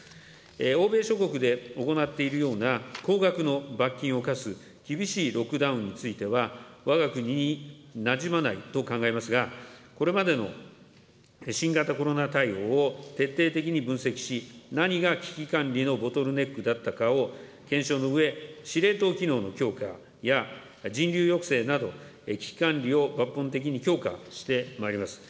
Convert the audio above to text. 欧米諸国で行っているような、高額の罰金を科す厳しいロックダウンについては、わが国になじまないと考えますが、これまでの新型コロナ対応を徹底的に分析し、何が危機管理のボトルネックだったかを検証のうえ、司令塔機能の強化や、人流抑制など危機管理を抜本的に強化してまいります。